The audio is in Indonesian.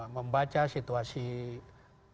membaca situasi itu